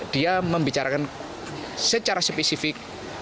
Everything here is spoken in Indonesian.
dia membicarakan secara spesifik